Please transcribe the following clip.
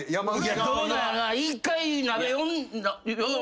どうなんやろな。